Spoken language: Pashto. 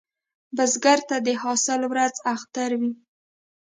بزګر ته د حاصل ورځ اختر وي